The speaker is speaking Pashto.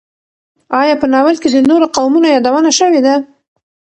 ایا په ناول کې د نورو قومونو یادونه شوې ده؟